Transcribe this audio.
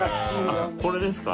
あっこれですか？